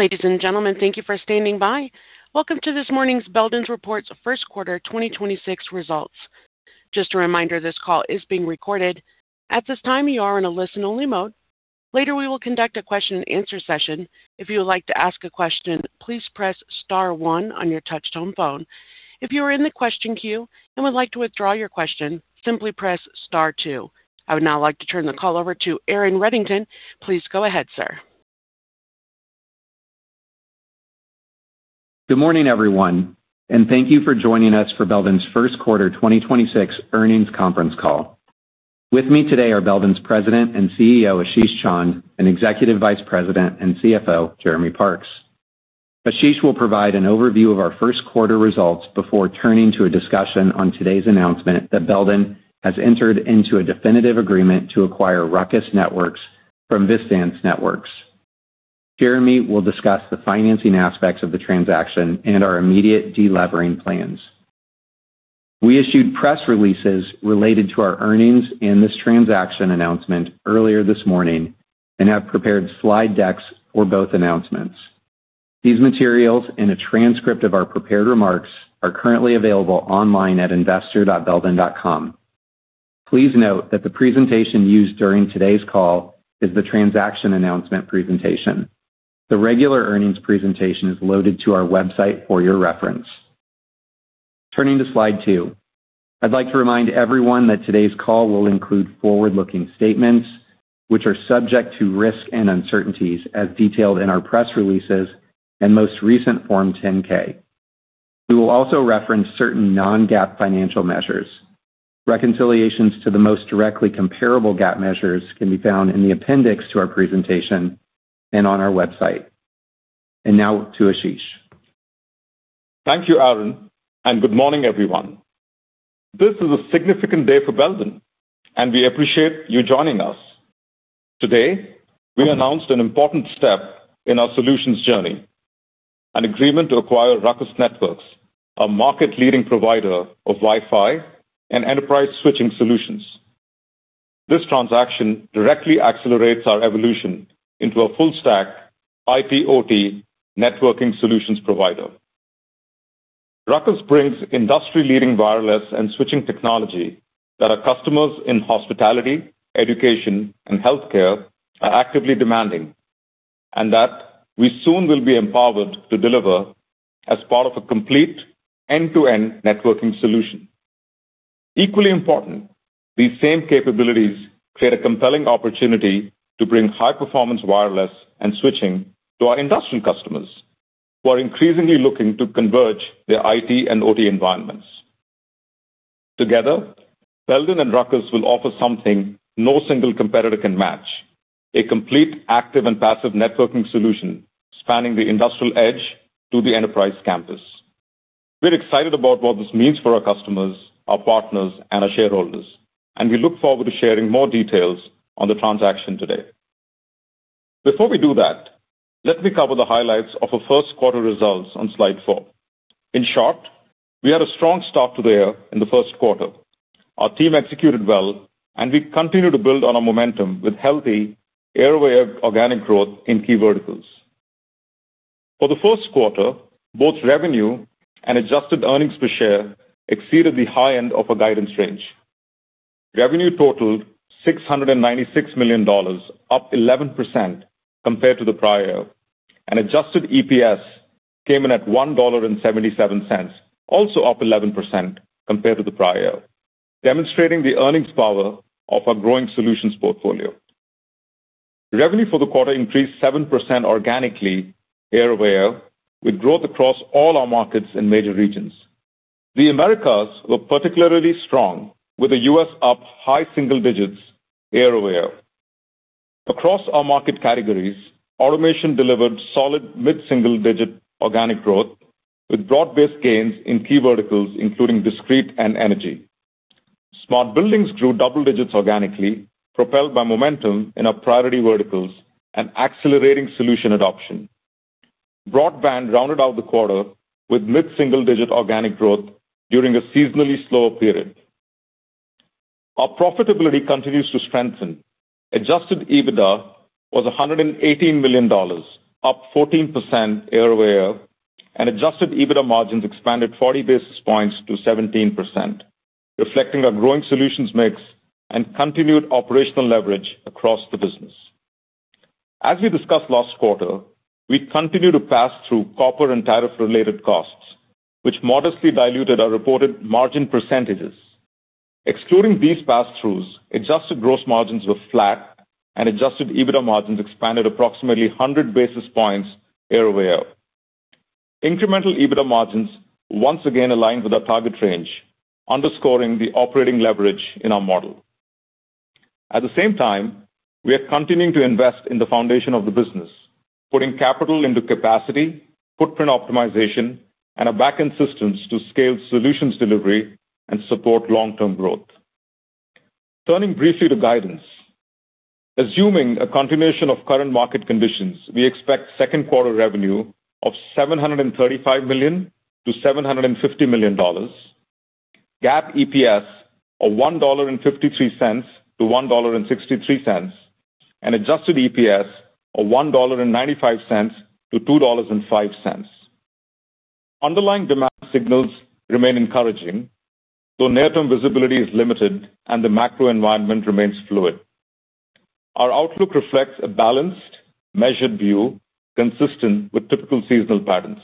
Ladies and gentlemen, thank you for standing by. Welcome to this morning's Belden's Reports first quarter 2026 results. Just a reminder, this call is being recorded. At this time, you are in a listen-only mode. Later, we will conduct a question and answer session. If you would like to ask a question, please press star one on your Touch-Tone phone. If you are in the question queue and would like to withdraw your question, simply press star two. I would now like to turn the call over to Aaron Reddington. Please go ahead, sir. Good morning, everyone, and thank you for joining us for Belden's first quarter 2026 earnings conference call. With me today are Belden's President and CEO, Ashish Chand, and Executive Vice President and CFO, Jeremy Parks. Ashish will provide an overview of our first quarter results before turning to a discussion on today's announcement that Belden has entered into a definitive agreement to acquire RUCKUS Networks from Vi-stance Networks. Jeremy will discuss the financing aspects of the transaction and our immediate de-levering plans. We issued press releases related to our earnings and this transaction announcement earlier this morning and have prepared slide decks for both announcements. These materials and a transcript of our prepared remarks are currently available online at investor.belden.com. Please note that the presentation used during today's call is the transaction announcement presentation. The regular earnings presentation is loaded to our website for your reference. Turning to slide 2. I'd like to remind everyone that today's call will include forward-looking statements, which are subject to risk and uncertainties as detailed in our press releases and most recent Form 10-K. We will also reference certain non-GAAP financial measures. Reconciliations to the most directly comparable GAAP measures can be found in the appendix to our presentation and on our website. Now to Ashish. Thank you, Aaron, and good morning, everyone. This is a significant day for Belden, and we appreciate you joining us. Today, we announced an important step in our solutions journey, an agreement to acquire RUCKUS Networks, a market-leading provider of Wi-Fi and enterprise switching solutions. This transaction directly accelerates our evolution into a full-stack IT/OT networking solutions provider. RUCKUS brings industry-leading wireless and switching technology that our customers in hospitality, education, and healthcare are actively demanding, and that we soon will be empowered to deliver as part of a complete end-to-end networking solution. Equally important, these same capabilities create a compelling opportunity to bring high-performance wireless and switching to our industrial customers who are increasingly looking to converge their IT and OT environments. Together, Belden and RUCKUS will offer something no single competitor can match, a complete, active, and passive networking solution spanning the industrial edge to the enterprise campus. We're excited about what this means for our customers, our partners, and our shareholders, and we look forward to sharing more details on the transaction today. Before we do that, let me cover the highlights of our first quarter results on slide 4. In short, we had a strong start to the year in the first quarter. Our team executed well, and we continue to build on our momentum with healthy Air-Wave organic growth in key verticals. For the first quarter, both revenue and adjusted EPS exceeded the high end of our guidance range. Revenue totaled $696 million, up 11% compared to the prior, and adjusted EPS came in at $1.77, also up 11% compared to the prior, demonstrating the earnings power of our growing solutions portfolio. Revenue for the quarter increased 7% organically year-over-year, with growth across all our markets in major regions. The Americas were particularly strong, with the U.S. up high single digits year-over-year. Across our market categories, automation delivered solid mid-single digit organic growth with broad-based gains in key verticals, including discrete and energy. Smart Buildings grew double digits organically, propelled by momentum in our priority verticals and accelerating solution adoption. Broadband rounded out the quarter with mid-single digit organic growth during a seasonally slower period. Our profitability continues to strengthen. Adjusted EBITDA was $118 million, up 14% year-over-year, and adjusted EBITDA margins expanded 40 basis points to 17%, reflecting our growing solutions mix and continued operational leverage across the business. As we discussed last quarter, we continue to pass through copper and tariff-related costs, which modestly diluted our reported margin percentages. Excluding these pass-troughs, adjusted gross margins were flat and adjusted EBITDA margins expanded approximately 100 basis points year-over-year. Incremental EBITDA margins once again aligned with our target range, underscoring the operating leverage in our model. At the same time, we are continuing to invest in the foundation of the business, putting capital into capacity, footprint optimization, and our backend systems to scale solutions delivery and support long-term growth. Turning briefly to guidance. Assuming a continuation of current market conditions, we expect second quarter revenue of $735 to $750 million. GAAP EPS of $1.53 to $1.63, and adjusted EPS of $1.95 to $2.05. Underlying demand signals remain encouraging, though near-term visibility is limited and the macro environment remains fluid. Our outlook reflects a balanced, measured view consistent with typical seasonal patterns.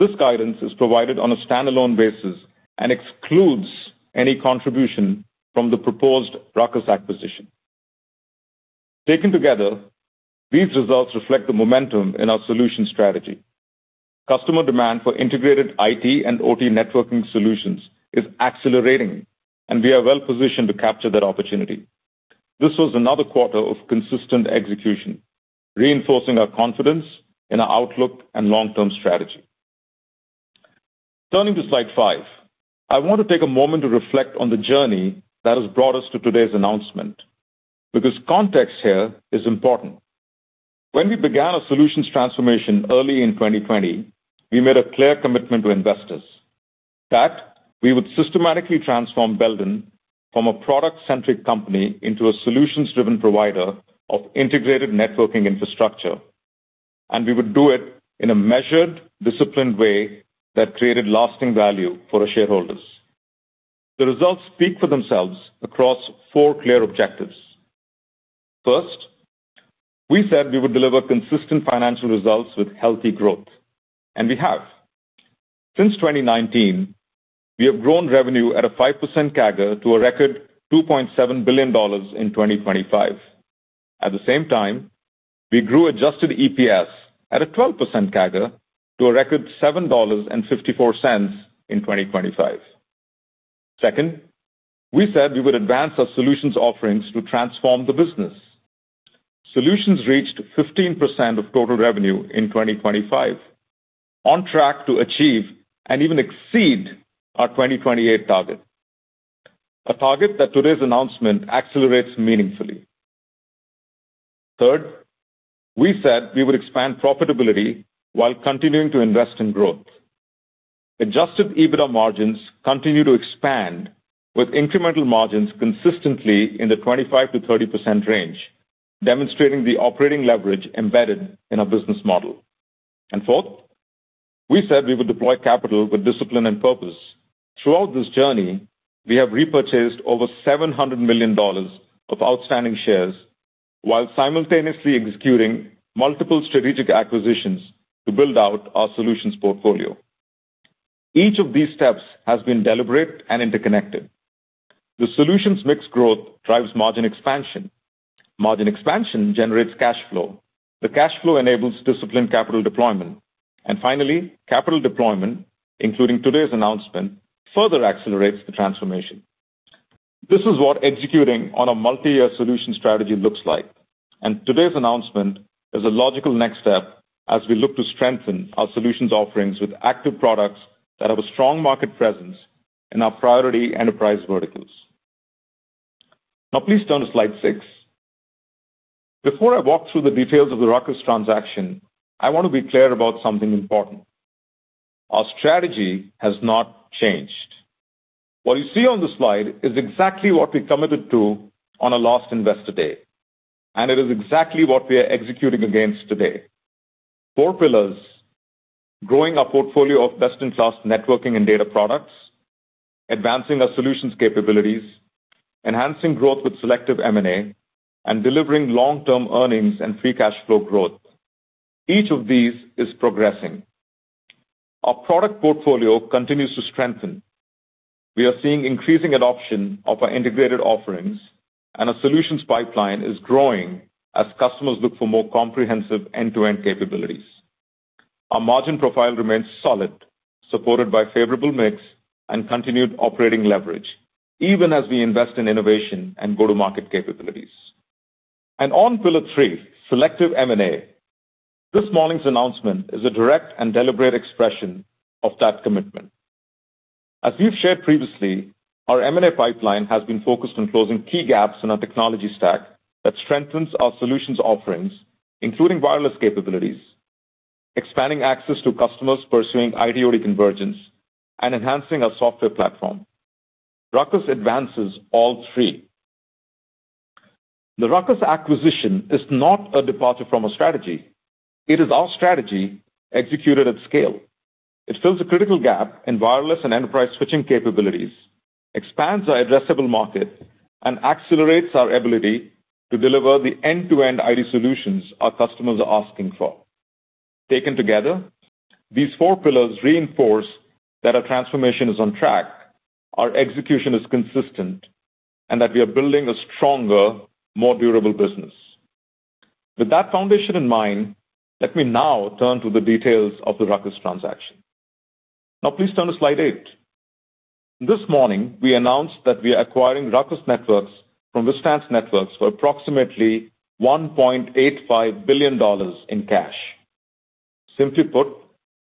This guidance is provided on a standalone basis and excludes any contribution from the proposed RUCKUS acquisition. Taken together, these results reflect the momentum in our solution strategy. Customer demand for integrated IT and OT networking solutions is accelerating, and we are well positioned to capture that opportunity. This was another quarter of consistent execution, reinforcing our confidence in our outlook and long-term strategy. Turning to slide 5, I want to take a moment to reflect on the journey that has brought us to today's announcement because context here is important. When we began our solutions transformation early in 2020, we made a clear commitment to investors that we would systematically transform Belden from a product-centric company into a solutions-driven provider of integrated networking infrastructure. We would do it in a measured, disciplined way that created lasting value for our shareholders. The results speak for themselves across four clear objectives. First, we said we would deliver consistent financial results with healthy growth, and we have. Since 2019, we have grown revenue at a 5% CAGR to a record $2.7 billion in 2025. At the same time, we grew adjusted EPS at a 12% CAGR to a record $7.54 in 2025. Second, we said we would advance our solutions offerings to transform the business. Solutions reached 15% of total revenue in 2025, on track to achieve and even exceed our 2028 target. A target that today's announcement accelerates meaningfully. Third, we said we would expand profitability while continuing to invest in growth. Adjusted EBITDA margins continue to expand with incremental margins consistently in the 25% to 30% range, demonstrating the operating leverage embedded in our business model. Fourth, we said we would deploy capital with discipline and purpose. Throughout this journey, we have repurchased over $700 million of outstanding shares while simultaneously executing multiple strategic acquisitions to build out our solutions portfolio. Each of these steps has been deliberate and interconnected. The solutions mix growth drives margin expansion. Margin expansion generates cash flow. The cash flow enables disciplined capital deployment. Finally, capital deployment, including today's announcement, further accelerates the transformation. This is what executing on a multi-year solution strategy looks like, and today's announcement is a logical next step as we look to strengthen our solutions offerings with active products that have a strong market presence in our priority enterprise verticals. Now please turn to slide 6. Before I walk through the details of the RUCKUS transaction, I want to be clear about something important. Our strategy has not changed. What you see on the slide is exactly what we committed to on our last Investor Day, and it is exactly what we are executing against today. Four pillars, growing our portfolio of best-in-class networking and data products, advancing our solutions capabilities, enhancing growth with selective M&A, and delivering long-term earnings and free cash flow growth. Each of these is progressing. Our product portfolio continues to strengthen. We are seeing increasing adoption of our integrated offerings, and our solutions pipeline is growing as customers look for more comprehensive end-to-end capabilities. Our margin profile remains solid, supported by favorable mix and continued operating leverage, even as we invest in innovation and go-to-market capabilities. On pillar three, selective M&A, this morning's announcement is a direct and deliberate expression of that commitment. As we've shared previously, our M&A pipeline has been focused on closing key gaps in our technology stack that strengthens our solutions offerings, including wireless capabilities, expanding access to customers pursuing IT/OT convergence, and enhancing our software platform. RUCKUS advances all three. The RUCKUS acquisition is not a departure from our strategy. It is our strategy executed at scale. It fills a critical gap in wireless and enterprise switching capabilities, expands our addressable market, and accelerates our ability to deliver the end-to-end IT solutions our customers are asking for. Taken together, these four pillars reinforce that our transformation is on track, our execution is consistent, and that we are building a stronger, more durable business. With that foundation in mind, let me now turn to the details of the RUCKUS transaction. Now please turn to slide 8. This morning, we announced that we are acquiring RUCKUS Networks from Vi-stance Networks for approximately $1.85 billion in cash. Simply put,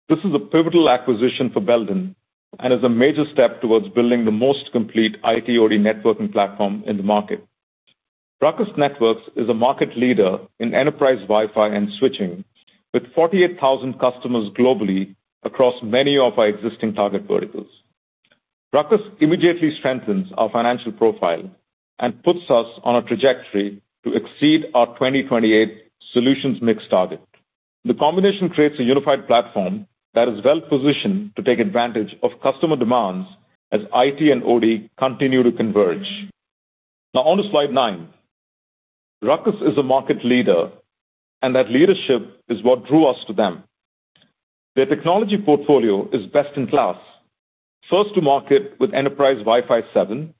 this is a pivotal acquisition for Belden and is a major step towards building the most complete IT/OT networking platform in the market. RUCKUS Networks is a market leader in enterprise Wi-Fi and switching with 48,000 customers globally across many of our existing target verticals. RUCKUS immediately strengthens our financial profile and puts us on a trajectory to exceed our 2028 solutions mix target. The combination creates a unified platform that is well-positioned to take advantage of customer demands as IT and OT continue to converge. Now, on to slide 9. RUCKUS is a market leader, and that leadership is what drew us to them. Their technology portfolio is best in class. First to market with enterprise Wi-Fi 7,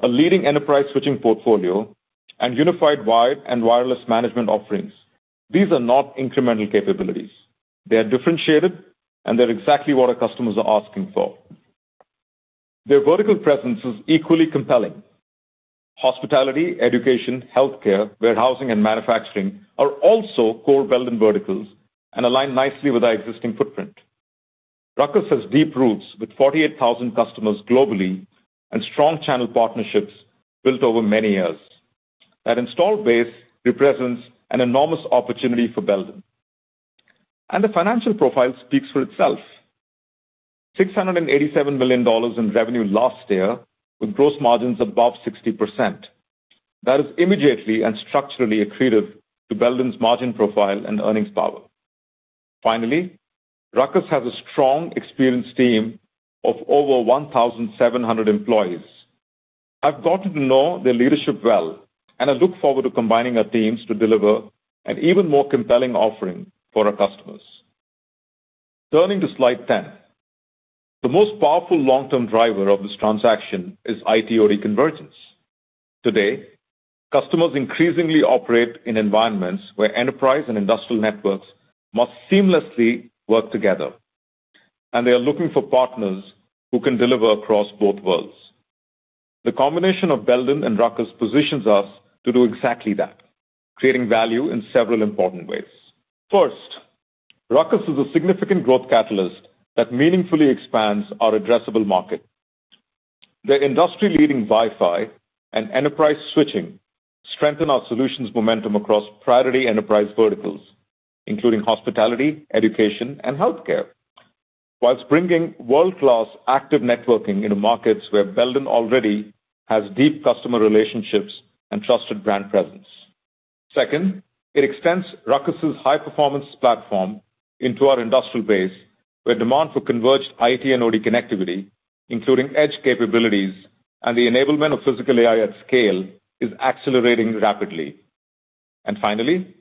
a leading enterprise switching portfolio, and unified wired and wireless management offerings. These are not incremental capabilities. They are differentiated, and they're exactly what our customers are asking for. Their vertical presence is equally compelling. Hospitality, education, healthcare, warehousing, and manufacturing are also core Belden verticals and align nicely with our existing footprint. RUCKUS has deep roots with 48,000 customers globally and strong channel partnerships built over many years. That installed base represents an enormous opportunity for Belden. The financial profile speaks for itself. $687 million in revenue last year with gross margins above 60%. That is immediately and structurally accretive to Belden's margin profile and earnings power. Finally, RUCKUS has a strong, experienced team of over 1,700 employees. I've gotten to know their leadership well, and I look forward to combining our teams to deliver an even more compelling offering for our customers. Turning to slide 10. The most powerful long-term driver of this transaction is IT/OT convergence. Today, customers increasingly operate in environments where enterprise and industrial networks must seamlessly work together, and they are looking for partners who can deliver across both worlds. The combination of Belden and RUCKUS positions us to do exactly that, creating value in several important ways. First, RUCKUS is a significant growth catalyst that meaningfully expands our addressable market. Their industry-leading Wi-Fi and enterprise switching strengthen our solutions momentum across priority enterprise verticals, including hospitality, education, and healthcare. While bringing world-class active networking into markets where Belden already has deep customer relationships and trusted brand presence. Second, it extends RUCKUS's high-performance platform into our industrial base, where demand for converged IT and OT connectivity, including edge capabilities and the ennoblement of Physical AI at scale, is accelerating rapidly. Finally,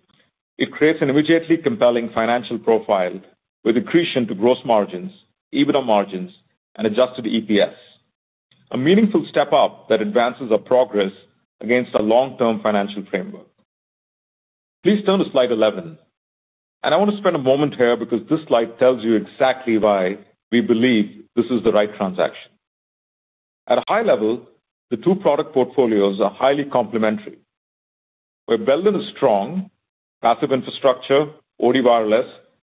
it creates an immediately compelling financial profile with accretion to gross margins, EBITDA margins, and adjusted EPS. A meaningful step-up that advances our progress against our long-term financial framework. Please turn to slide 11. I want to spend a moment here because this slide tells you exactly why we believe this is the right transaction. At a high level, the two product portfolios are highly complementary. Where Belden is strong, passive infrastructure, OT wireless,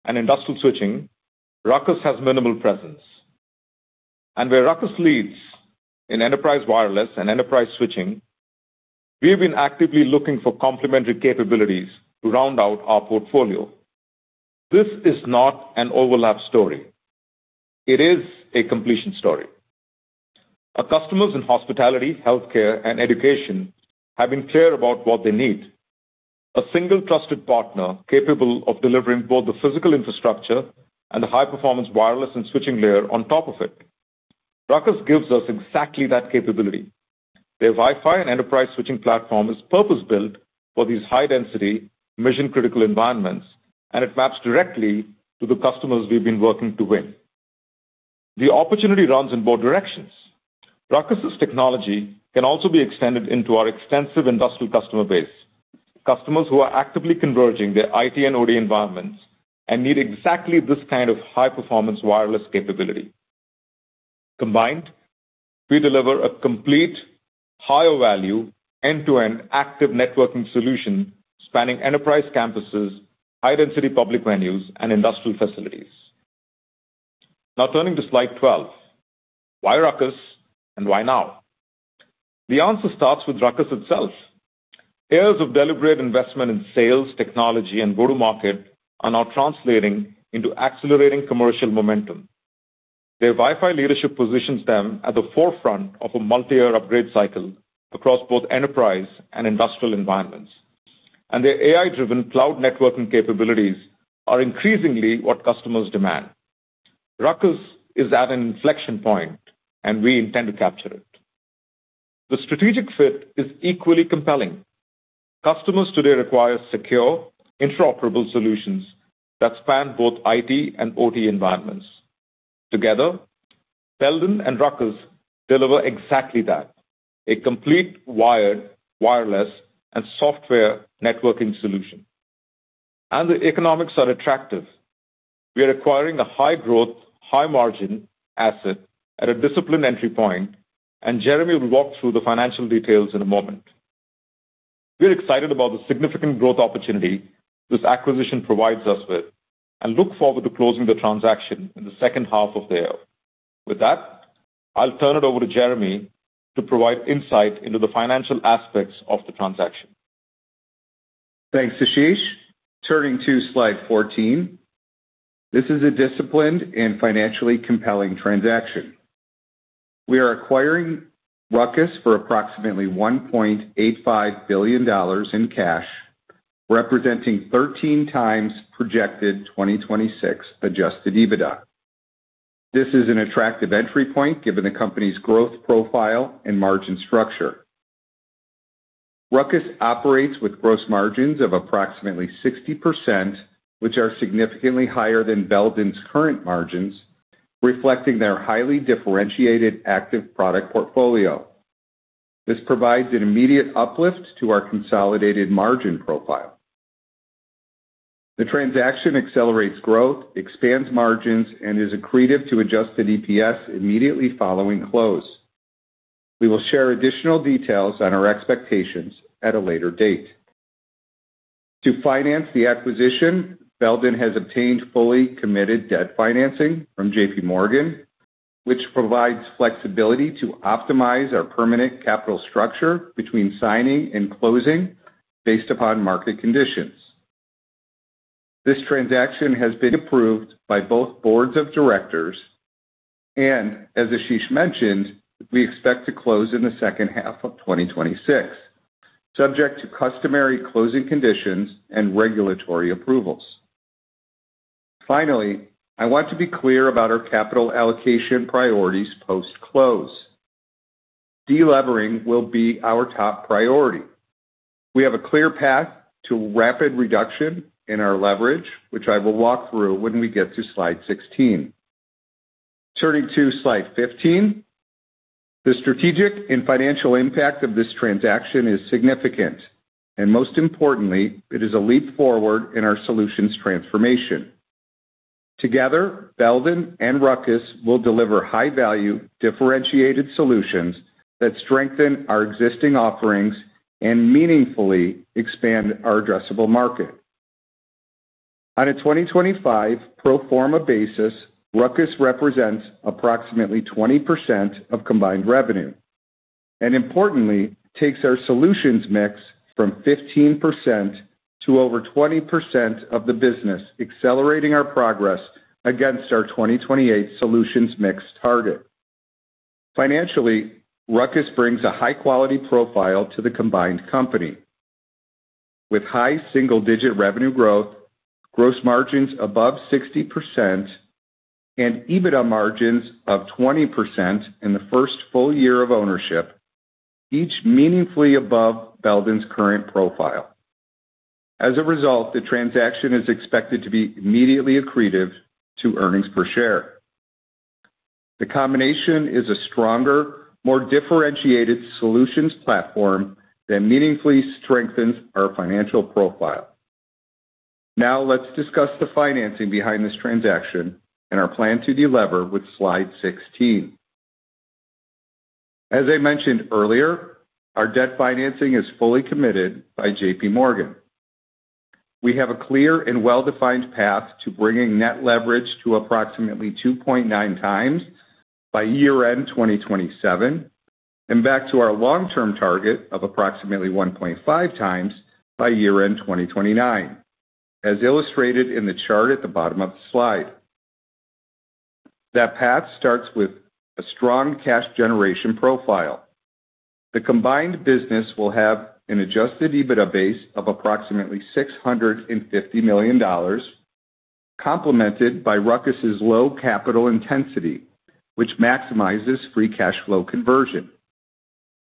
and industrial switching, RUCKUS has minimal presence. Where RUCKUS leads in enterprise wireless and enterprise switching, we have been actively looking for complementary capabilities to round out our portfolio. This is not an overlap story. It is a completion story. Our customers in hospitality, healthcare, and education have been clear about what they need. A single trusted partner capable of delivering both the physical infrastructure and the high-performance wireless and switching layer on top of it. RUCKUS gives us exactly that capability. Their Wi-Fi and enterprise switching platform is purpose-built for these high-density mission-critical environments, and it maps directly to the customers we've been working to win. The opportunity runs in both directions. RUCKUS's technology can also be extended into our extensive industrial customer base, customers who are actively converging their IT and OT environments and need exactly this kind of high-performance wireless capability. Combined, we deliver a complete higher value end-to-end active networking solution spanning enterprise campuses, high-density public venues, and industrial facilities. Turning to slide 12. Why RUCKUS and why now? The answer starts with RUCKUS itself. Years of deliberate investment in sales, technology, and go-to-market are now translating into accelerating commercial momentum. Their Wi-Fi leadership positions them at the forefront of a multiyear upgrade cycle across both enterprise and industrial environments. Their AI-driven cloud networking capabilities are increasingly what customers demand. RUCKUS is at an inflection point, and we intend to capture it. The strategic fit is equally compelling. Customers today require secure, interoperable solutions that span both IT and OT environments. Together, Belden and RUCKUS deliver exactly that, a complete wired, wireless, and software networking solution. The economics are attractive. We are acquiring a high-growth, high-margin asset at a disciplined entry point, and Jeremy will walk through the financial details in a moment. We're excited about the significant growth opportunity this acquisition provides us with and look forward to closing the transaction in the second half of the year. With that, I'll turn it over to Jeremy to provide insight into the financial aspects of the transaction. Thanks, Ashish. Turning to slide 14. This is a disciplined and financially compelling transaction. We are acquiring RUCKUS for approximately $1.85 billion in cash, representing 13 times projected 2026 adjusted EBITDA. This is an attractive entry point given the company's growth profile and margin structure. RUCKUS operates with gross margins of approximately 60%, which are significantly higher than Belden's current margins, reflecting their highly differentiated active product portfolio. This provides an immediate uplift to our consolidated margin profile. The transaction accelerates growth, expands margins, and is accretive to adjusted EPS immediately following close. We will share additional details on our expectations at a later date. To finance the acquisition, Belden has obtained fully committed debt financing from JP Morgan, which provides flexibility to optimize our permanent capital structure between signing and closing based upon market conditions. This transaction has been approved by both boards of directors, As Ashish mentioned, we expect to close in the second half of 2026, subject to customary closing conditions and regulatory approvals. Finally, I want to be clear about our capital allocation priorities post-close. Delevering will be our top priority. We have a clear path to rapid reduction in our leverage, which I will walk through when we get to slide 16. Turning to slide 15. The strategic and financial impact of this transaction is significant, Most importantly, it is a leap forward in our solutions transformation. Together, Belden and RUCKUS will deliver high-value, differentiated solutions that strengthen our existing offerings and meaningfully expand our addressable market. On a 2025 pro forma basis, RUCKUS represents approximately 20% of combined revenue, and importantly, takes our solutions mix from 15% to over 20% of the business, accelerating our progress against our 2028 solutions mix target. Financially, RUCKUS brings a high-quality profile to the combined company. With high single-digit revenue growth, gross margins above 60%, and EBITDA margins of 20% in the first full year of ownership, each meaningfully above Belden's current profile. As a result, the transaction is expected to be immediately accretive to earnings per share. The combination is a stronger, more differentiated solutions platform that meaningfully strengthens our financial profile. Let's discuss the financing behind this transaction and our plan to delever with slide 16. As I mentioned earlier, our debt financing is fully committed by JP Morgan. We have a clear and well-defined path to bringing net leverage to approximately 2.9 times by year-end 2027 and back to our long-term target of approximately 1.5 times by year-end 2029, as illustrated in the chart at the bottom of the slide. That path starts with a strong cash generation profile. The combined business will have an adjusted EBITDA base of approximately $650 million, complemented by RUCKUS's low capital intensity, which maximizes free cash flow conversion.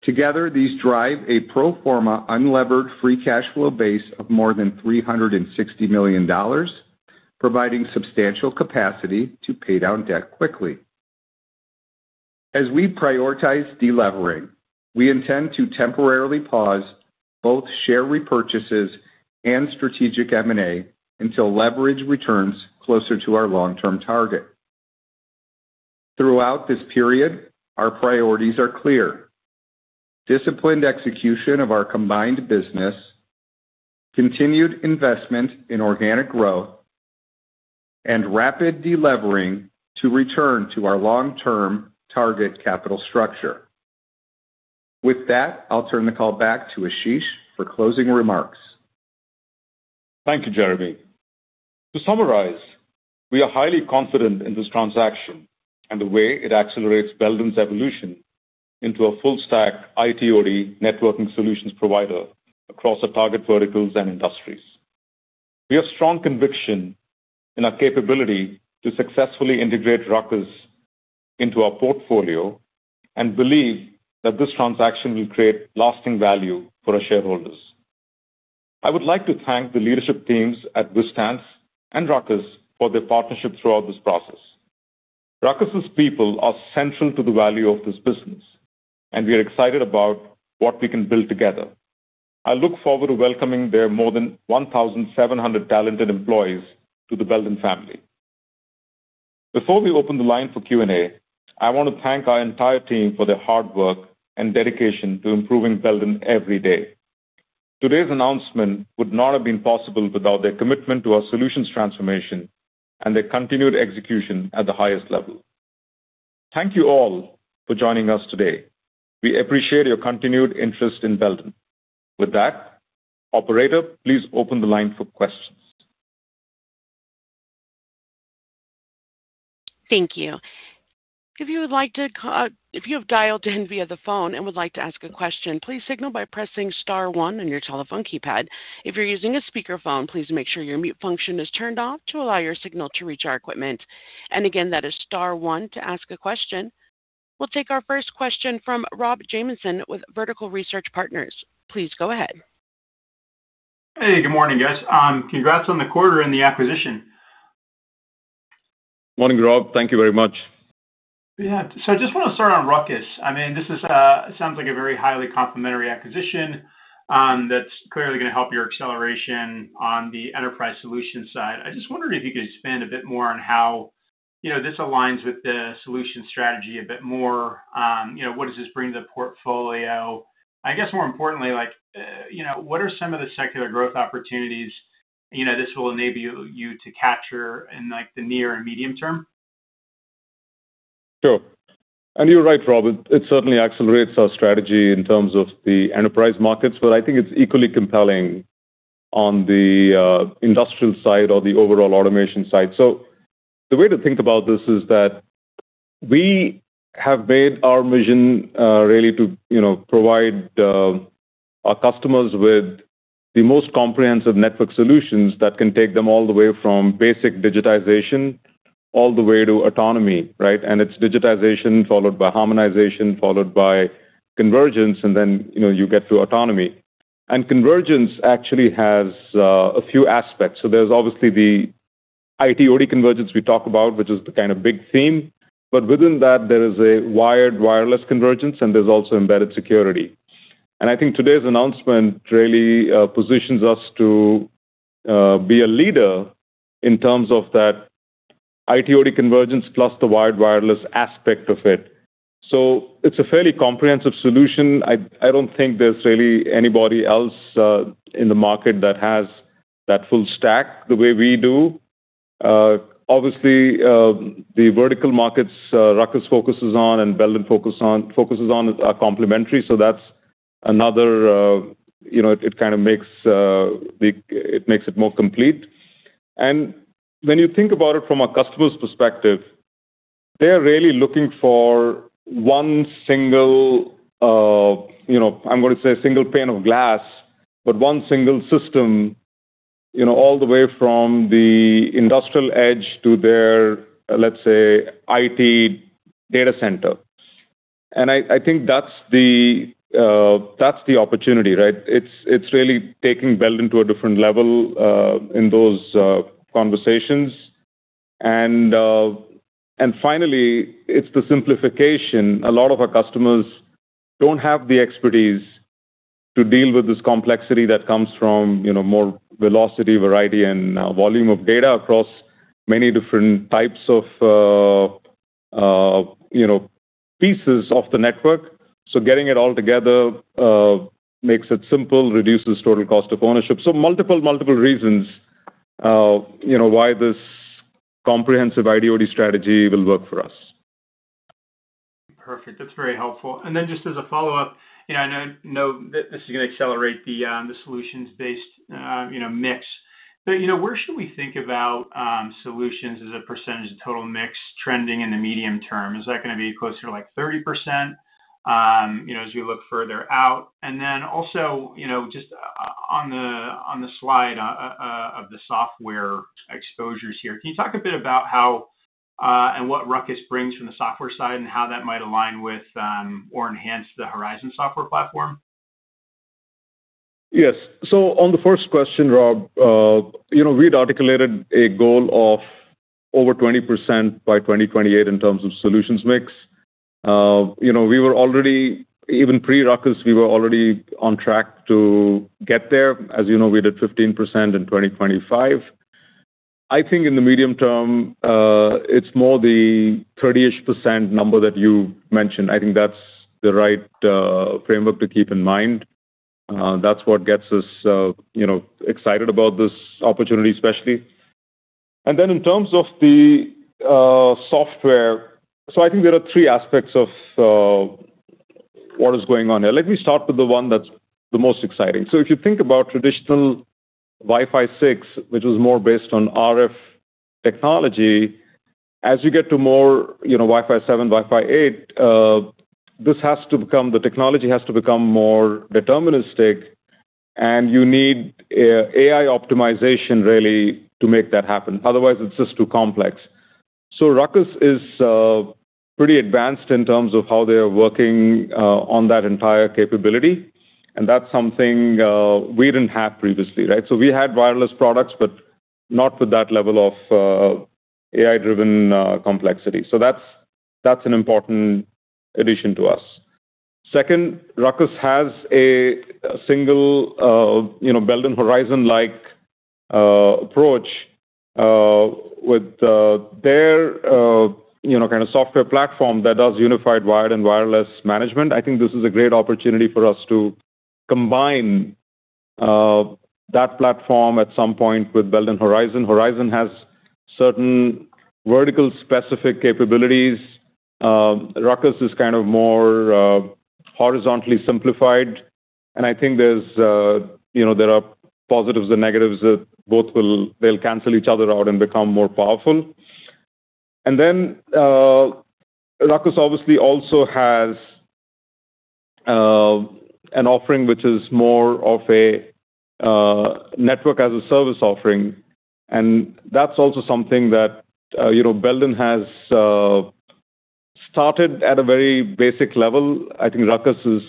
Together, these drive a pro forma unlevered free cash flow base of more than $360 million, providing substantial capacity to pay down debt quickly. As we prioritize delevering, we intend to temporarily pause both share repurchases and strategic M&A until leverage returns closer to our long-term target. Throughout this period, our priorities are clear. Disciplined execution of our combined business, continued investment in organic growth, and rapid delevering to return to our long-term target capital structure. With that, I'll turn the call back to Ashish for closing remarks. Thank you, Jeremy. To summarize, we are highly confident in this transaction and the way it accelerates Belden's evolution into a full-stack IT/OT networking solutions provider across our target verticals and industries. We have strong conviction in our capability to successfully integrate RUCKUS into our portfolio and believe that this transaction will create lasting value for our shareholders. I would like to thank the leadership teams at Vi-stance and RUCKUS for their partnership throughout this process. RUCKUS's people are central to the value of this business, and we are excited about what we can build together. I look forward to welcoming their more than 1,700 talented employees to the Belden family. Before we open the line for Q&A, I want to thank our entire team for their hard work and dedication to improving Belden every day. Today's announcement would not have been possible without their commitment to our solutions transformation and their continued execution at the highest level. Thank you all for joining us today. We appreciate your continued interest in Belden. With that, operator, please open the line for questions. Thank you. If you have dialed any key on the phone and you would like to ask a question please signal by pressing star one on your telephone keypad. If you are using a speaker phone please make sure you mute function is turned on to allow your signal to reach to our equipment. We'll take our first question from Rob Jamieson with Vertical Research Partners. Please go ahead. Hey, good morning, guys. Congrats on the quarter and the acquisition. Morning, Rob. Thank you very much. Yeah. I just wanna start on RUCKUS. I mean, this is, sounds like a very highly complementary acquisition, that's clearly gonna help your acceleration on the enterprise solution side. I just wondered if you could expand a bit more on how, you know, this aligns with the solution strategy a bit more. You know, what does this bring to the portfolio? I guess more importantly, like, you know, what are some of the secular growth opportunities, you know, this will enable you to capture in like the near and medium term? Sure. You're right, Rob. It certainly accelerates our strategy in terms of the enterprise markets, but I think it's equally compelling on the industrial side or the overall automation side. The way to think about this is that we have made our vision really to, you know, provide our customers with the most comprehensive network solutions that can take them all the way from basic digitization all the way to autonomy, right? It's digitization followed by harmonization, followed by convergence, and then, you know, you get to autonomy. Convergence actually has a few aspects. There's obviously the IT/OT convergence we talk about, which is the kind of big theme. Within that, there is a wired, wireless convergence, and there's also embedded security. I think today's announcement really positions us to be a leader in terms of that IT/OT convergence plus the wide wireless aspect of it. It's a fairly comprehensive solution. I don't think there's really anybody else in the market that has that full stack the way we do. Obviously, the vertical markets RUCKUS focuses on and Belden focuses on are complementary, that's another, you know, it kinda makes it more complete. When you think about it from a customer's perspective, they're really looking for one single, you know, I'm gonna say a single pane of glass, but one single system, you know, all the way from the industrial edge to their, let's say, IT data center. I think that's the, that's the opportunity, right? It's really taking Belden to a different level in those conversations. Finally, it's the simplification. A lot of our customers don't have the expertise to deal with this complexity that comes from, you know, more velocity, variety, and volume of data across many different types of, you know, pieces of the network. Getting it all together makes it simple, reduces total cost of ownership. Multiple reasons, you know, why this comprehensive IT strategy will work for us. Perfect. That's very helpful. Just as a follow-up, you know, I know this is going to accelerate the solutions-based, you know, mix. You know, where should we think about solutions as a percentage of total mix trending in the medium term? Is that gonna be closer to like 30%, you know, as we look further out? Also, you know, just on the slide of the software exposures here, can you talk a bit about how and what RUCKUS brings from the software side and how that might align with or enhance the Horizon software platform? Yes. On the first question, Rob, you know, we'd articulated a goal of over 20% by 2028 in terms of solutions mix. You know, we were already, even pre-RUCKUS, we were already on track to get there. As you know, we did 15% in 2025. I think in the medium term, it's more the 30-ish% number that you mentioned. I think that's the right framework to keep in mind. That's what gets us, you know, excited about this opportunity, especially. In terms of the software, I think there are three aspects of what is going on here. Let me start with the one that's the most exciting. If you think about traditional Wi-Fi 6, which was more based on RF technology, as you get to more, you know, Wi-Fi 7, Wi-Fi 8, this has to become, the technology has to become more deterministic, and you need AI optimization really to make that happen. Otherwise, it's just too complex. RUCKUS is pretty advanced in terms of how they are working on that entire capability, and that's something we didn't have previously, right? We had wireless products, but not with that level of AI-driven complexity. That's an important addition to us. Second, RUCKUS has a single, you know, Belden Horizon-like approach with their, you know, kind of software platform that does unified wired and wireless management. I think this is a great opportunity for us to combine that platform at some point with Belden Horizon. Horizon has certain vertical specific capabilities. RUCKUS is kind of more horizontally simplified. I think there's, you know, there are positives and negatives that both they'll cancel each other out and become more powerful. RUCKUS obviously also has an offering which is more of a Network as a Service offering, and that's also something that, you know, Belden has started at a very basic level. I think RUCKUS is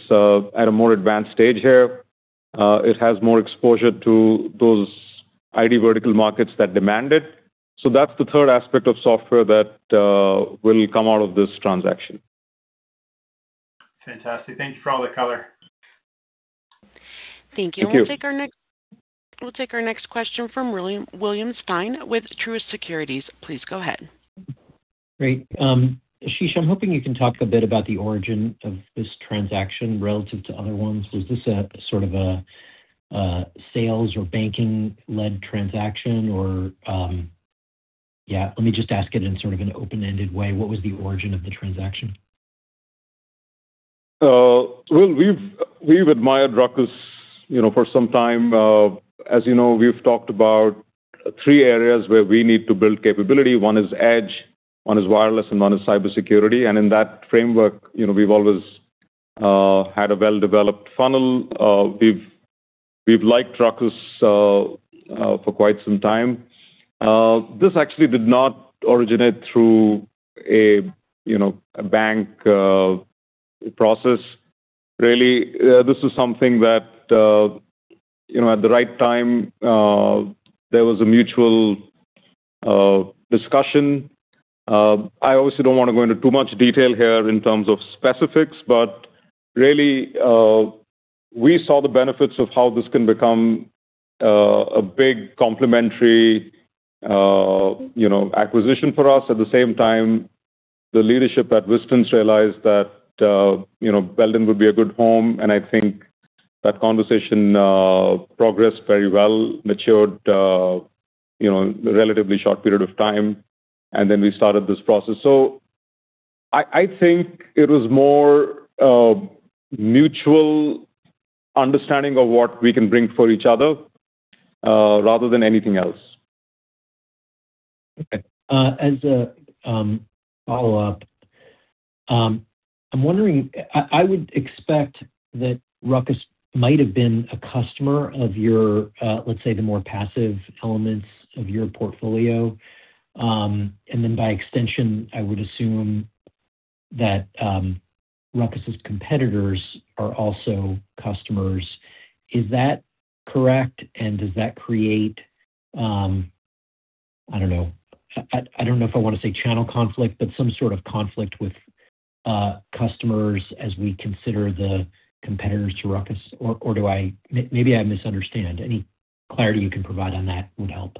at a more advanced stage here. It has more exposure to those IT vertical markets that demand it. That's the third aspect of software that will come out of this transaction. Fantastic. Thank you for all the color. Thank you. Thank you. We'll take our next question from William Stein with Truist Securities. Please go ahead. Great. Ashish, I'm hoping you can talk a bit about the origin of this transaction relative to other ones. Was this a sort of a sales or banking-led transaction? Yeah, let me just ask it in sort of an open-ended way. What was the origin of the transaction? Well, we've admired RUCKUS, you know, for some time. As you know, we've talked about three areas where we need to build capability. One is edge, one is wireless, and one is cybersecurity. In that framework, you know, we've always had a well-developed funnel. We've liked RUCKUS for quite some time. This actually did not originate through a, you know, a bank process really. This was something that, you know, at the right time, there was a mutual discussion. I obviously don't wanna go into too much detail here in terms of specifics, but really, we saw the benefits of how this can become a big complementary, you know, acquisition for us. At the same time, the leadership at Vi-stance realized that, you know, Belden would be a good home. I think that conversation progressed very well, matured, you know, in a relatively short period of time, and then we started this process. I think it was more mutual understanding of what we can bring for each other, rather than anything else. Okay. As a follow-up, I'm wondering, I would expect that RUCKUS might have been a customer of your, let's say, the more passive elements of your portfolio. Then by extension, I would assume that RUCKUS's competitors are also customers. Is that correct? Does that create, I don't know. I don't know if I wanna say channel conflict, but some sort of conflict with customers as we consider the competitors to RUCKUS? Or do I maybe I misunderstand. Any clarity you can provide on that would help.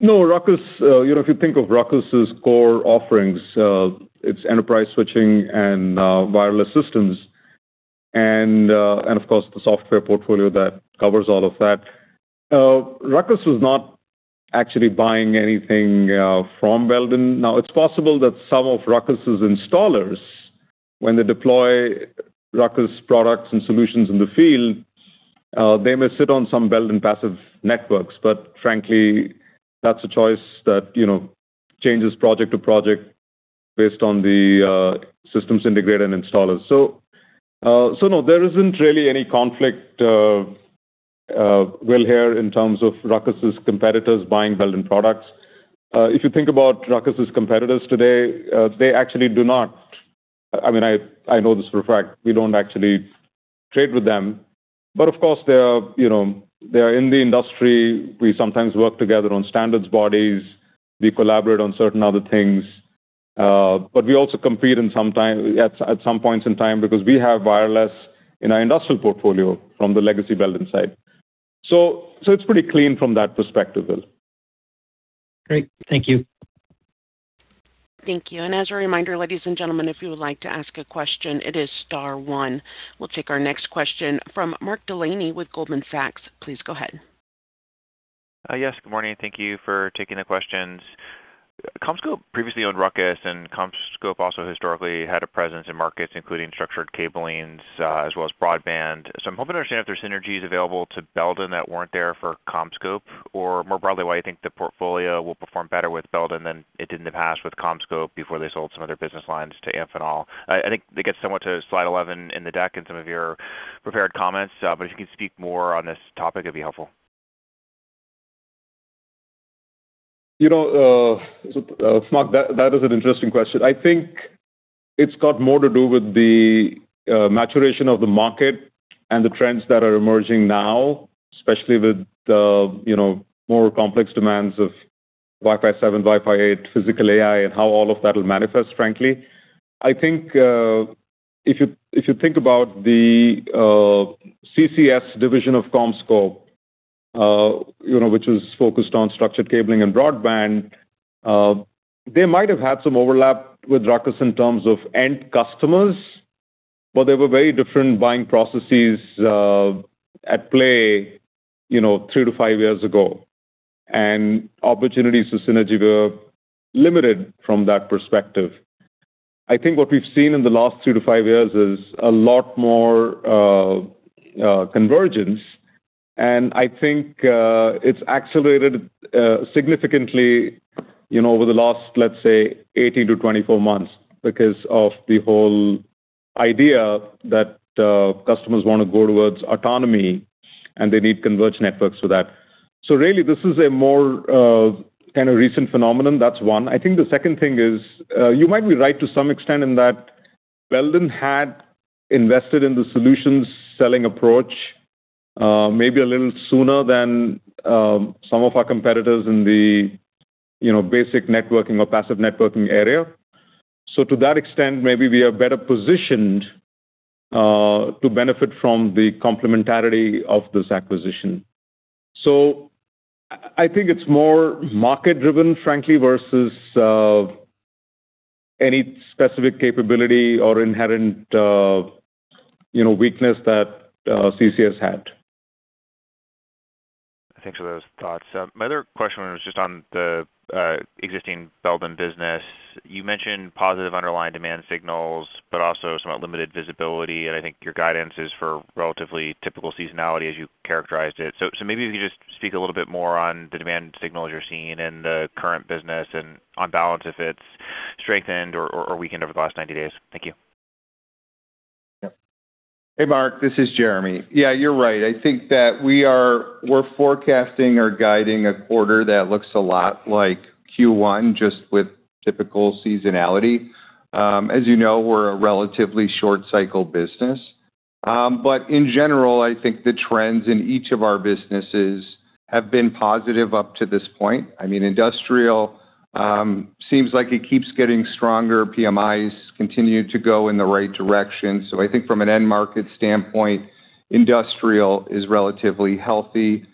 You know, if you think of RUCKUS's core offerings, it's enterprise switching and wireless systems and, of course, the software portfolio that covers all of that. RUCKUS was not actually buying anything from Belden. It's possible that some of RUCKUS's installers, when they deploy RUCKUS products and solutions in the field, they may sit on some Belden passive networks. Frankly, that's a choice that, you know, changes project to project based on the systems integrator and installers. No, there isn't really any conflict, well, here in terms of RUCKUS's competitors buying Belden products. If you think about RUCKUS's competitors today, they actually do not. I mean, I know this for a fact, we don't actually trade with them. Of course, they are, you know, they are in the industry. We sometimes work together on standards bodies. We collaborate on certain other things. We also compete in some points in time because we have wireless in our industrial portfolio from the legacy Belden side. It's pretty clean from that perspective, William. Great. Thank you. Thank you. As a reminder, ladies and gentlemen, if you would like to ask a question, it is star one. We'll take our next question from Mark Delaney with Goldman Sachs. Please go ahead. Yes. Good morning. Thank you for taking the questions. CommScope previously owned RUCKUS, and CommScope also historically had a presence in markets, including structured cablings, as well as Broadband. I'm hoping to understand if there's synergies available to Belden that weren't there for CommScope, or more broadly, why you think the portfolio will perform better with Belden than it did in the past with CommScope before they sold some of their business lines to Amphenol. I think that gets somewhat to slide 11 in the deck and some of your prepared comments, but if you can speak more on this topic, it'd be helpful. You know, Mark, that is an interesting question. I think it's got more to do with the maturation of the market and the trends that are emerging now, especially with the, you know, more complex demands of Wi-Fi 7, Wi-Fi 8, Physical AI, and how all of that'll manifest, frankly. I think if you, if you think about the CCS division of CommScope, you know, which is focused on structured cabling and Broadband, they might have had some overlap with Ruckus in terms of end customers, but there were very different buying processes at play, you know, 2 to 5 years ago. Opportunities for synergy were limited from that perspective. I think what we've seen in the last two to five years is a lot more convergence. I think it's accelerated significantly, you know, over the last, let's say 18 to 24 months because of the whole idea that customers wanna go towards autonomy, and they need converged networks for that. Really this is a more kind of recent phenomenon. That's one. I think the second thing is you might be right to some extent in that Belden had invested in the solutions selling approach, maybe a little sooner than some of our competitors in the, you know, basic networking or passive networking area. To that extent, maybe we are better positioned to benefit from the complementarity of this acquisition. I think it's more market driven, frankly, versus any specific capability or inherent, you know, weakness that CCS had. Thanks for those thoughts. My other question was just on the existing Belden business. You mentioned positive underlying demand signals, but also some unlimited visibility, and I think your guidance is for relatively typical seasonality as you characterized it. Maybe if you just speak a little bit more on the demand signals you're seeing in the current business and on balance, if it's strengthened or weakened over the last 90 days. Thank you. Hey Mark, this is Jeremy. Yeah, you're right. I think that we're forecasting or guiding a quarter that looks a lot like Q1, just with typical seasonality. As you know, we're a relatively short cycle business. In general, I think the trends in each of our businesses have been positive up to this point. I mean, Industrial seems like it keeps getting stronger. PMIs continue to go in the right direction. I think from an end market standpoint, Industrial is relatively healthy.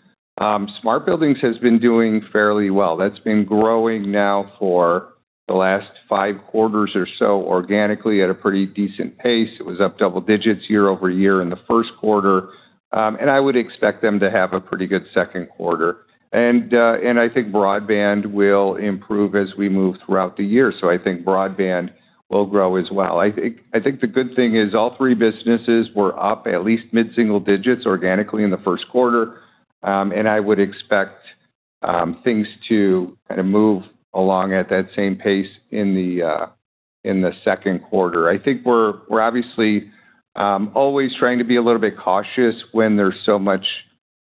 Smart Buildings has been doing fairly well. That's been growing now for the last five quarters or so organically at a pretty decent pace. It was up double digits year-over-year in the first quarter. I would expect them to have a pretty good second quarter. I think Broadband will improve as we move throughout the year, so I think Broadband will grow as well. I think the good thing is all three businesses were up at least mid-single digits organically in the first quarter. I would expect things to kinda move along at that same pace in the second quarter. I think we're obviously always trying to be a little bit cautious when there's so much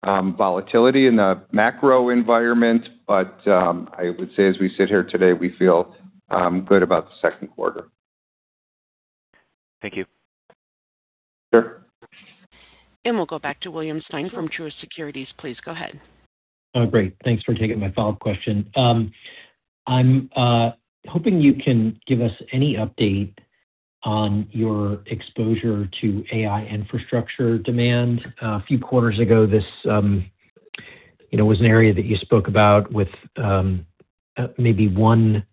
volatility in the macro environment. I would say as we sit here today, we feel good about the second quarter. Thank you. Sure. We'll go back to William Stein from Truist Securities. Please go ahead. Oh, great. Thanks for taking my follow-up question. I'm hoping you can give us any update on your exposure to AI infrastructure demand. A few quarters ago, this, was an area that you spoke about with, maybe one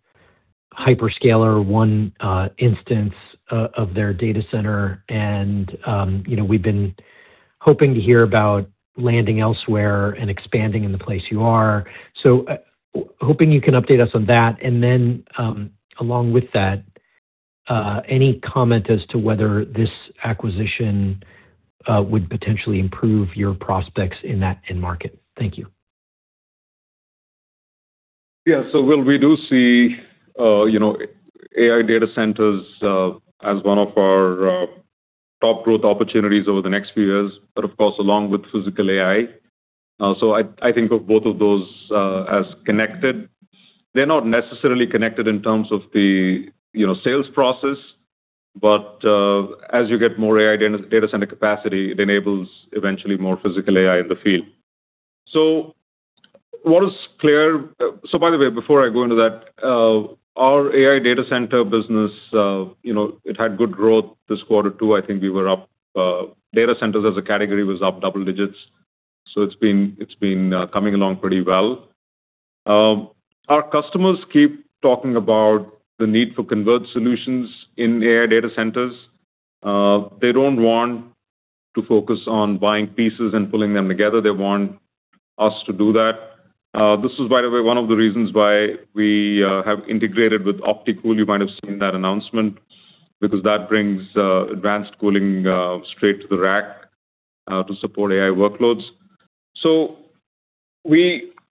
hyperscaler, one instance of their data center. We've been hoping to hear about landing elsewhere and expanding in the place you are. Hoping you can update us on that. Along with that, any comment as to whether this acquisition would potentially improve your prospects in that end market? Thank you. We do see, you know, AI data centers as one of our top growth opportunities over the next few years, but of course, along with Physical AI. I think of both of those as connected. They're not necessarily connected in terms of the, you know, sales process, as you get more AI data center capacity, it enables eventually more Physical AI in the field. By the way, before I go into that, our AI data center business, you know, it had good growth this quarter too. I think we were up, data centers as a category was up double digits, it's been coming along pretty well. Our customers keep talking about the need for converged solutions in their data centers. They don't want to focus on buying pieces and pulling them together. They want us to do that. This is, by the way, one of the reasons why we have integrated with OptiCool. You might have seen that announcement because that brings advanced cooling straight to the rack to support AI workloads.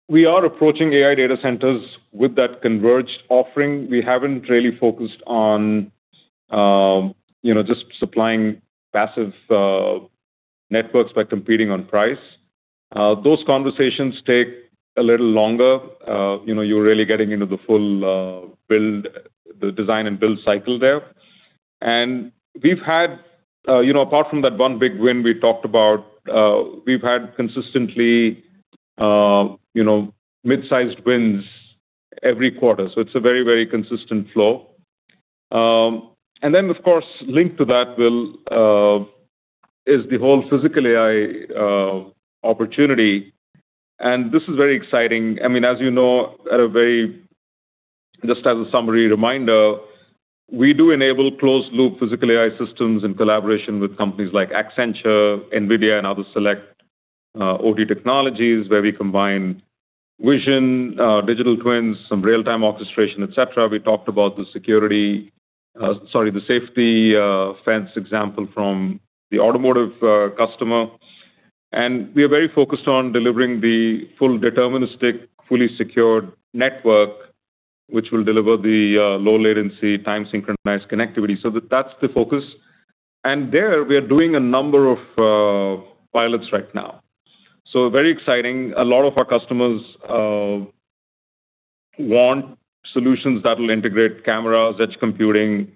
We are approaching AI data centers with that converged offering. We haven't really focused on, you know, just supplying passive networks by competing on price. Those conversations take a little longer. You know, you're really getting into the full build, the design and build cycle there. We've had, you know, apart from that one big win we talked about, we've had consistently, you know, mid-sized wins every quarter. It's a very, very consistent flow. Then of course, linked to that will is the whole Physical AI opportunity, and this is very exciting. I mean, as you know, just as a summary reminder, we do enable closed loop Physical AI systems in collaboration with companies like Accenture, NVIDIA, and other select OT technologies where we combine vision, digital twins, some real-time orchestration, et cetera. We talked about the security, sorry, the safety, fence example from the automotive customer. We are very focused on delivering the full deterministic, fully secured network, which will deliver the low latency time synchronized connectivity. That's the focus. There we are doing a number of pilots right now. Very exciting. A lot of our customers want solutions that will integrate cameras, edge computing,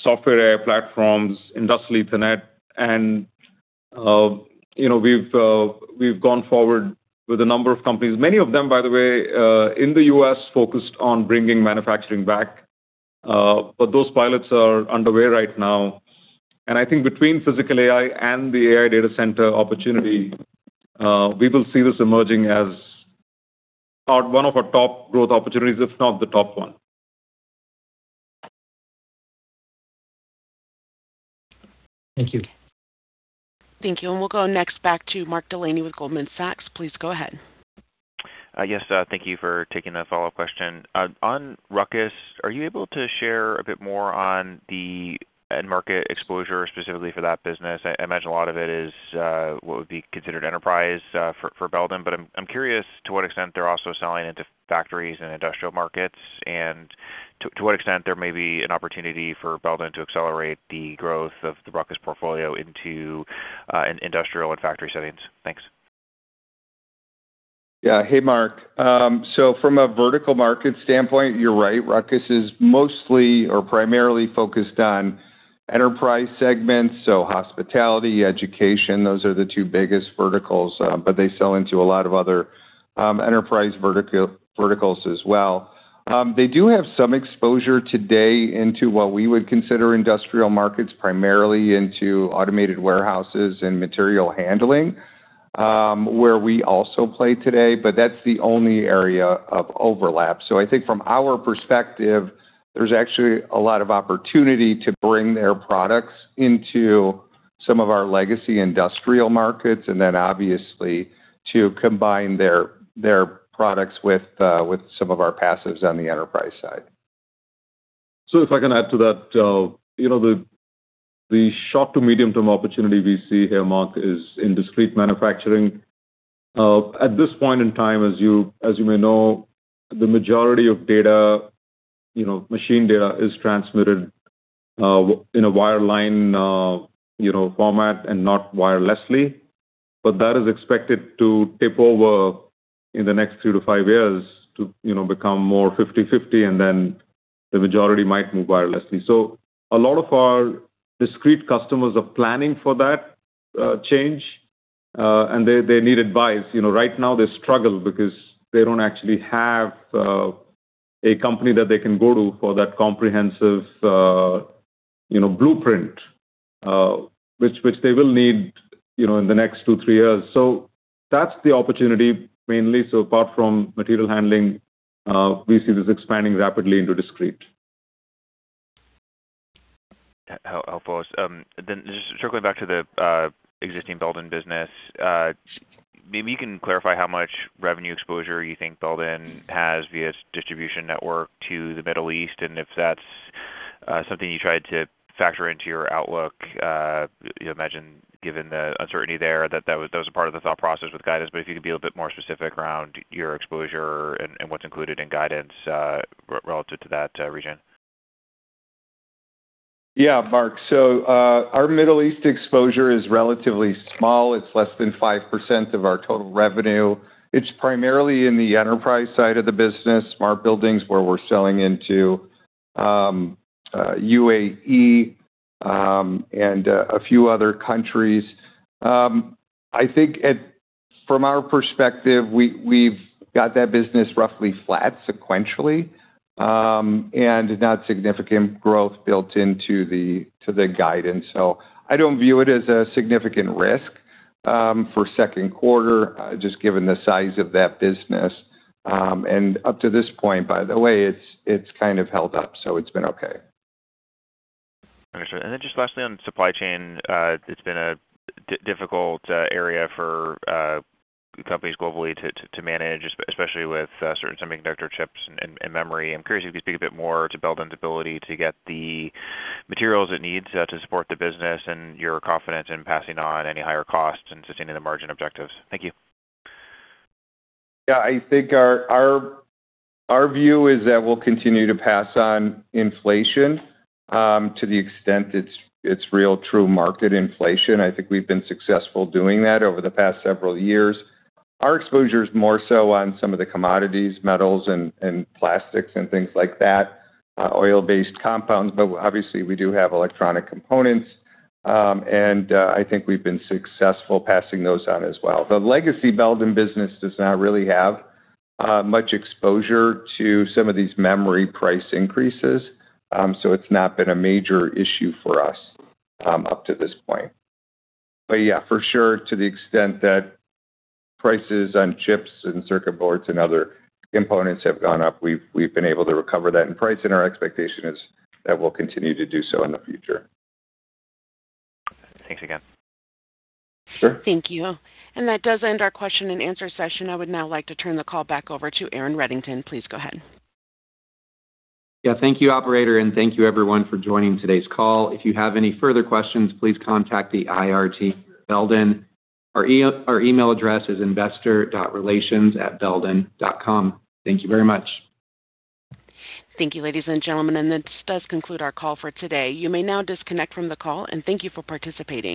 software platforms, Industrial Ethernet, and, you know, we've gone forward with a number of companies. Many of them, by the way, in the U.S. focused on bringing manufacturing back. Those pilots are underway right now. I think between Physical AI and the AI data center opportunity, we will see this emerging as one of our top growth opportunities, if not the top one. Thank you. Thank you. We'll go next back to Mark Delaney with Goldman Sachs. Please go ahead. Yes, thank you for taking the follow-up question. On RUCKUS, are you able to share a bit more on the end market exposure specifically for that business? I imagine a lot of it is what would be considered enterprise for Belden, but I'm curious to what extent they're also selling into factories and industrial markets, and to what extent there may be an opportunity for Belden to accelerate the growth of the RUCKUS portfolio into industrial and factory settings. Thanks. Hey, Mark. From a vertical market standpoint, you're right. RUCKUS is mostly or primarily focused on enterprise segments, hospitality, education, those are the two biggest verticals, they sell into a lot of other enterprise verticals as well. They do have some exposure today into what we would consider industrial markets, primarily into automated warehouses and material handling, where we also play today, that's the only area of overlap. I think from our perspective, there's actually a lot of opportunity to bring their products into some of our legacy industrial markets, and then obviously to combine their products with some of our passives on the enterprise side. If I can add to that, you know, the short to medium-term opportunity we see here, Mark, is in discrete manufacturing. At this point in time, as you may know, the majority of data, you know, machine data is transmitted in a wire-line, you know, format and not wirelessly. That is expected to tip over in the next 2 to 5 years to, you know, become more 50/50, and then the majority might move wirelessly. A lot of our discrete customers are planning for that change and they need advice. You know, right now they struggle because they don't actually have a company that they can go to for that comprehensive, you know, blueprint, which they will need, you know, in the next 2, 3 years. That's the opportunity mainly. Apart from material handling, we see this expanding rapidly into discrete. How then just circling back to the existing Belden business, maybe you can clarify how much revenue exposure you think Belden has via its distribution network to the Middle East, and if that's something you tried to factor into your outlook? You imagine given the uncertainty there that was a part of the thought process with guidance, but if you could be a bit more specific around your exposure and what's included in guidance relative to that region? Yeah, Mark. Our Middle East exposure is relatively small. It's less than 5% of our total revenue. It's primarily in the enterprise side of the business, Smart Buildings, where we're selling into UAE and a few other countries. I think from our perspective, we've got that business roughly flat sequentially and not significant growth built into the guidance. I don't view it as a significant risk for second quarter just given the size of that business. Up to this point, by the way, it's kind of held up, so it's been okay. Okay, sure. Just lastly, on supply chain, it's been a difficult area for companies globally to manage, especially with certain semiconductor chips and memory. I'm curious if you could speak a bit more to Belden's ability to get the materials it needs to support the business and your confidence in passing on any higher costs and sustaining the margin objectives. Thank you. I think our view is that we'll continue to pass on inflation to the extent it's real true market inflation. I think we've been successful doing that over the past several years. Our exposure is more so on some of the commodities, metals and plastics and things like that, oil-based compounds. Obviously, we do have electronic components, and I think we've been successful passing those on as well. The legacy Belden business does not really have much exposure to some of these memory price increases, it's not been a major issue for us up to this point. Yeah, for sure, to the extent that prices on chips and circuit boards and other components have gone up, we've been able to recover that in price, and our expectation is that we'll continue to do so in the future. Thanks again. Sure. Thank you. That does end our question and answer session. I would now like to turn the call back over to Aaron Reddington. Please go ahead. Yeah. Thank you, operator, and thank you everyone for joining today's call. If you have any further questions, please contact the IRG Belden. Our email address is investor.relations@belden.com. Thank you very much. Thank you, ladies and gentlemen, and this does conclude our call for today. You may now disconnect from the call, and thank you for participating.